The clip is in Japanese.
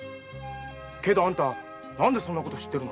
けど何でそんなこと知ってるの？